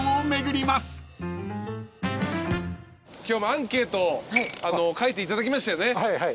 今日もアンケート書いていただきましたよね？